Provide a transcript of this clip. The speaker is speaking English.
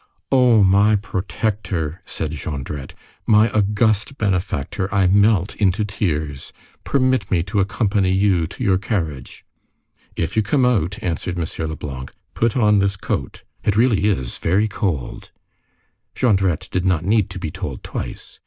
"O my protector!" said Jondrette, "my august benefactor, I melt into tears! Permit me to accompany you to your carriage." "If you come out," answered M. Leblanc, "put on this coat. It really is very cold." Jondrette did not need to be told twice.